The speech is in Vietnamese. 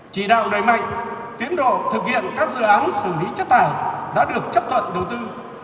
chỉ đạo đầy mạnh tiến độ thực hiện các dự án xử lý chất thải đã được chấp thuận đầu tư